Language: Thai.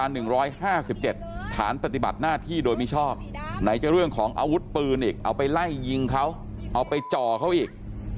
ไหนก็เรื่องของอาวุธปืนอีกเอาไปไล่ยิงเขาเอาไปจ่อเขาอีก